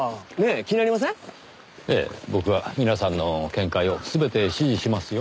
ええ僕は皆さんの見解を全て支持しますよ。